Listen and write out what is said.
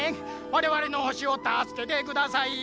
「われわれの星をたすけてください」。